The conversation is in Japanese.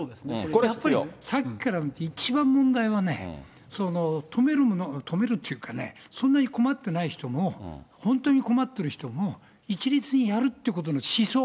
やっぱり、さっきから一番問題はね、富める者、富めるっていうかね、そんなに困ってない人も、本当に困っている人も、一律にやるっていうことに思想。